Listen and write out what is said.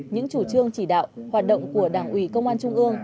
những chủ trương chỉ đạo hoạt động của đảng ủy công an trung ương